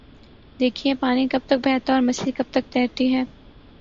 دیکھیے پانی کب تک بہتا اور مچھلی کب تک تیرتی ہے؟